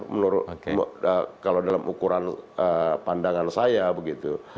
menurut kalau dalam ukuran pandangan saya begitu